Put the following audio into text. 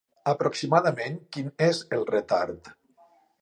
Aproximadament quin és el retard?